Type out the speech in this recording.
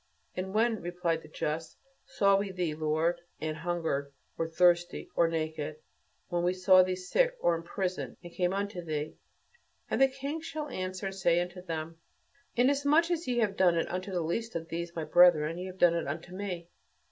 "And when," replied the just, "saw we thee, O Lord, an hungered or thirsty or naked? When saw we thee sick or in prison and came unto thee?" and the King shall answer and say unto them, "Inasmuch as ye have done it unto the least of these my brethren, ye have done it unto me."